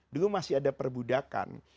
dulu masih ada perbudakan